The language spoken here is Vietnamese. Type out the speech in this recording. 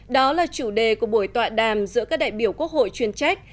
đó là chủ đề của buổi tọa đàm giữa các đại biểu quốc hội chuyên trách